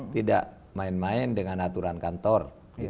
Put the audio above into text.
tidak main main dengan aturan kantor